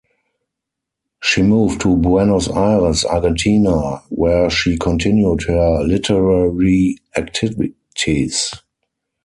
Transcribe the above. She moved to Buenos Aires, Argentina, where she continued her literary activities.